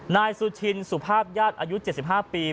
นายสุชินสุภาพญาติอายุ๗๕ปี